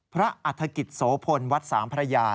อัฐกิจโสพลวัดสามพระยา